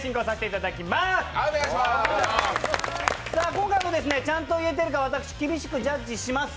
今回もちゃんと言えているか厳しくジャッジします。